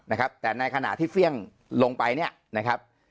นะครับแต่ในขณะที่เฟี่ยงลงไปเนี่ยนะครับ